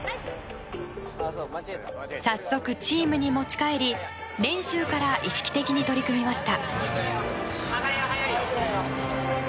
早速チームに持ち帰り、練習から意識的に取り組みました。